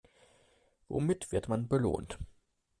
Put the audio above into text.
Womit wird man belohnt?